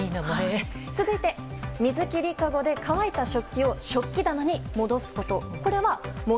続いて、水切りかごで乾いた食器を食器棚に戻すこと。